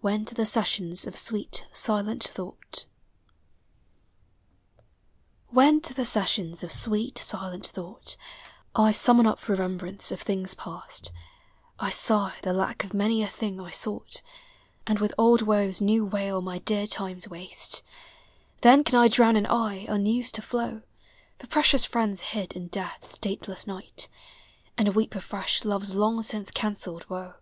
WHEN TO TIIE SESSIONS OF SWEET SILENT TnOUGUT. SONNET XXX. When to the sessions of sweet silent thought I summon up remembrance of things past, I sigh the lack of many a thing I sought, Digitized by Google Fitiuxnsnip. 349 And with old woes new wail my dear time's waste : Then can I drown an eye, unused to How, For precious friends hid in death's dateless night, And weep afresh love's long siuce cancellcd woe.